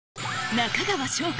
中川翔子